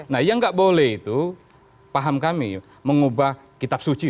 nah yang nggak boleh itu paham kami mengubah kitab suci